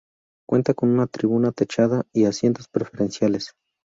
Cuenta con una tribuna techada y asientos preferenciales.